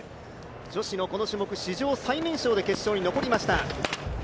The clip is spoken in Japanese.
女子のこの種目、史上最年少で決勝に残りました。